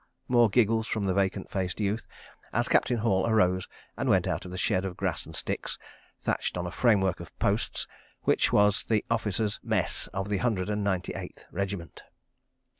..." More giggles from the vacant faced youth as Captain Hall arose and went out of the shed of grass and sticks, thatched on a framework of posts, which was the Officers' Mess of the Hundred and Ninety Eighth Regiment.